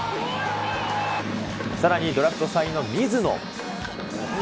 さらにドラフト３位の水野。